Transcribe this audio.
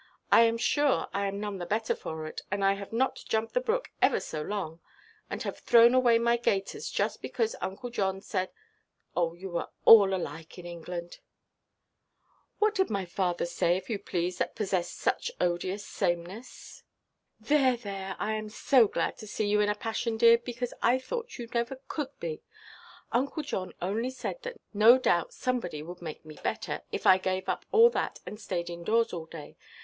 I am sure I am none the better for it; and I have not jumped the brook ever so long, and have thrown away my gaiters just because Uncle John said—oh, you are all alike in England." "What did my father say, if you please, that possessed such odious sameness?" "There, there, I am so glad to see you in a passion, dear; because I thought you never could be. Uncle John only said that no doubt somebody would like me better, if I gave up all that, and stayed in–doors all day.